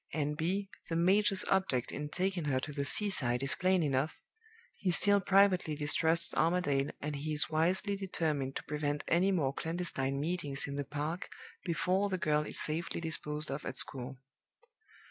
(N.B. The major's object in taking her to the seaside is plain enough. He still privately distrusts Armadale, and he is wisely determined to prevent any more clandestine meetings in the park before the girl is safely disposed of at school.)